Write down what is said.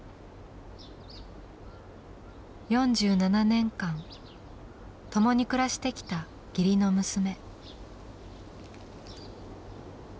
４７年間共に暮らしてきた義理の娘。